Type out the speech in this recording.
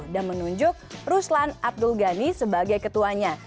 dan menunjuk ruslan abdul ghani sebagai ketuanya